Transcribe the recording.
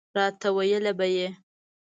راته ویله به یې.